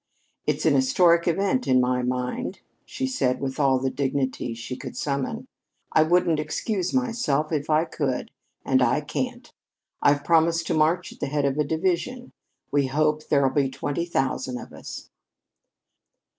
"It's an historic event to my mind," she said with all the dignity she could summon. "I wouldn't excuse myself if I could. And I can't. I've promised to march at the head of a division. We hope there'll be twenty thousand of us."